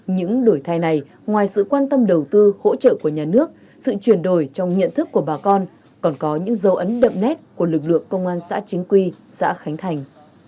những đổi thay này ngoài sự quan tâm đầu tư hỗ trợ của nhà nước sự chuyển đổi trong nhận thức của bà con còn có những dấu ấn đậm nét của lực lượng công an xã chính quy xã khánh thành